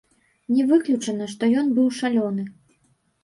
Не выключана, што ён быў шалёны.